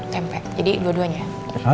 tempe jadi dua duanya